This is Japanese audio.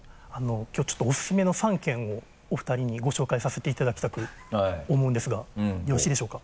きょうちょっとオススメの３軒をお二人にご紹介させていただきたく思うんですがよろしいでしょうか？